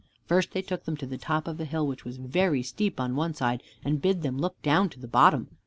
First they took them to the top of a hill which was very steep on one side, and bid them look down to the bottom.